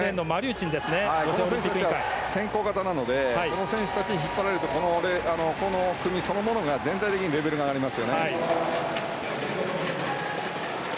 先行型なのでこの選手たちに引っ張られるとこの組そのものが全体的にレベルが上がります。